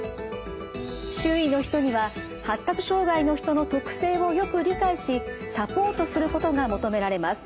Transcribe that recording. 周囲の人には発達障害の人の特性をよく理解しサポートすることが求められます。